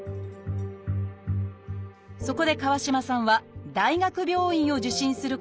そこで川島さんは大学病院を受診することにしました。